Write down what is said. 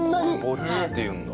ぼっちっていうんだ。